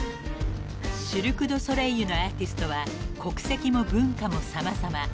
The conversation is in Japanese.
［シルク・ドゥ・ソレイユのアーティストは国籍も文化も様々］